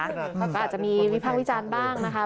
ก็อาจจะมีวิภาควิจารณ์บ้างนะคะ